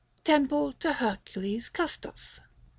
245 TEMPLE TO HEKCULES CUSTOS.